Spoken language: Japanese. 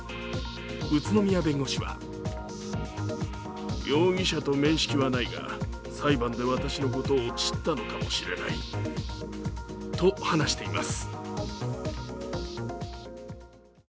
宇都宮弁護士はと話しています。